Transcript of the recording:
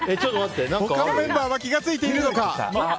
他のメンバーは気が付いているのか。